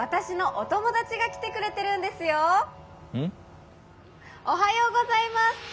おはようございます。